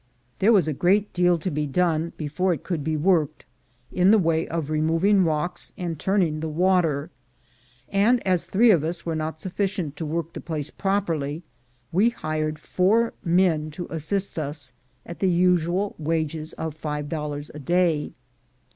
There was a great deal to be done, before it could be worked, in the way of removing rocks and turning the water; and as three of us were not sufficient to work the place properly, we hired four men to assist us, at the usual wages of five dollars a day.